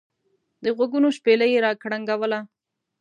دغوږونو شپېلۍ را کرنګوله.